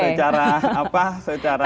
secara apa secara